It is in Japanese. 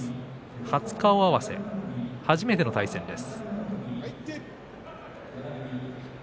初顔合わせ初めての対戦です。